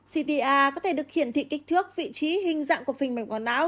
cta có thể được hiển thị kích thước vị trí hình dạng của phình mạch máu não